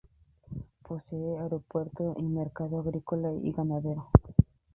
Posee aeropuerto y mercado agrícola y ganadero.